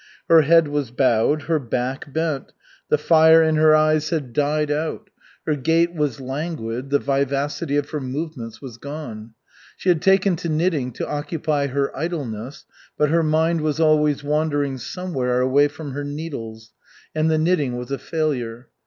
Her head was bowed, her back bent, the fire in her eyes had died out, her gait was languid, the vivacity of her movements was gone. She had taken to knitting to occupy her idleness, but her mind was always wandering somewhere away from her needles, and the knitting was a failure.